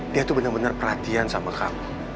dia tuh bener bener perhatian sama kamu